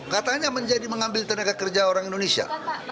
katanya menjadi mengambil tenaga kerja orang indonesia